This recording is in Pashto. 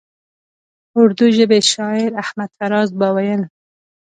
اردو ژبي شاعر احمد فراز به ویل.